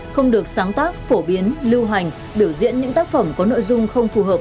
không được sáng tác phổ biến lưu hành biểu diễn những tác phẩm có nội dung không phù hợp